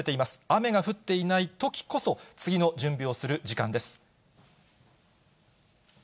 雨が降っていないときこそ、次の準備をする時間です。